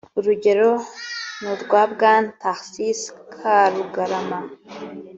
urugero n’urwa Bwana Tharcisse Karugarama